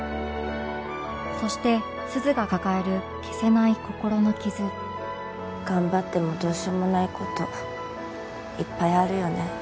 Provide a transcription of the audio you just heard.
そして鈴が抱える消せない心の傷頑張ってもどうしようもない事いっぱいあるよね。